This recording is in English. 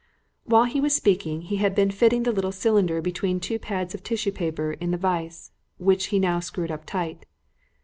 While he was speaking he had been fitting the little cylinder between two pads of tissue paper in the vice, which he now screwed up tight.